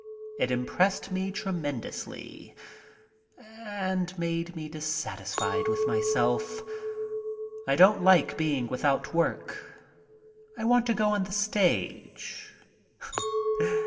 It impressed me tremendously and made me dissatisfied with myself. I don't like being without work. 14 MY TRIP ABROAD I want to go on the stage.